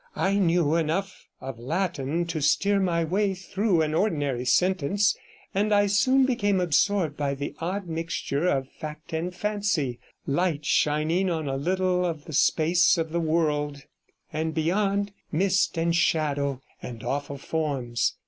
I knew enough of Latin to steer my way through 55 an ordinary sentence, and I soon became absorbed in the odd mixture of fact and fancy light shining on a little of the space of the world, and beyond, mist and shadow and awful forms.